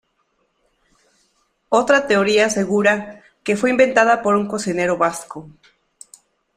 Otra teoría asegura que fue inventada por un cocinero vasco.